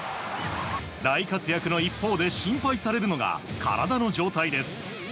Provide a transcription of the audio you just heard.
大活躍の一方で心配されるのが体の状態です。